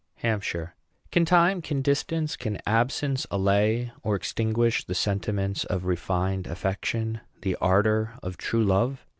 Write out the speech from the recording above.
HAMPSHIRE. Can time, can distance, can absence allay or extinguish the sentiments of refined affection, the ardor of true love?